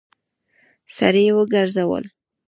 سړی وګرځول.